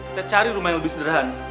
kita cari rumah yang lebih sederhana